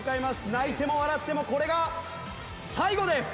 泣いても笑ってもこれが最後です。